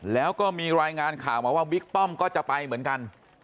แล้วก็มีรายงานข่าวมาว่าบิ๊กป้อมก็จะไปเหมือนกัน